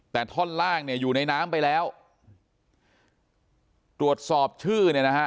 แต่ท่อนล่างเนี่ยอยู่ในน้ำไปแล้วตรวจสอบชื่อเนี่ยนะฮะ